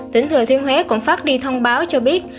tỉnh thừa thiên huế cũng phát đi thông báo cho biết